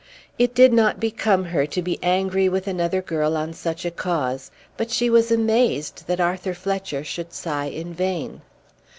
It did not become her to be angry with another girl on such a cause; but she was amazed that Arthur Fletcher should sigh in vain.